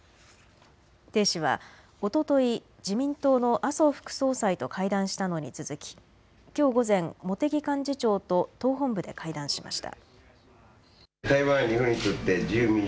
鄭氏はおととい、自民党の麻生副総裁と会談したのに続ききょう午前、茂木幹事長と党本部で会談しました。